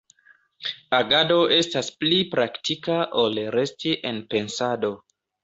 Agado estas pli praktika ol resti en pensado.